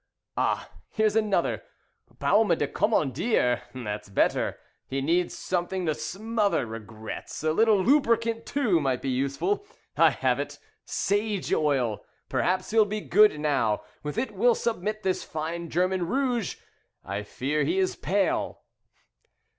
Ah, here is another: 'Baume du Commandeur'. That's better. He needs something to smother Regrets. A little lubricant, too, Might be useful. I have it, 'Sage Oil', perhaps he'll be good now; with it we'll submit This fine German rouge. I fear he is pale."